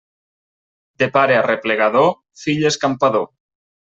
De pare arreplegador, fill escampador.